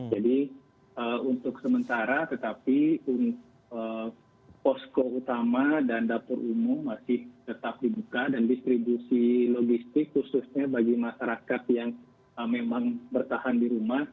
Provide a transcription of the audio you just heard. jadi untuk sementara tetapi posko utama dan dapur umum masih tetap dibuka dan distribusi logistik khususnya bagi masyarakat yang memang bertahan di rumah